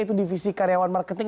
itu divisi karyawan marketing